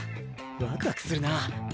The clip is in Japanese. ワクワクするなぁ。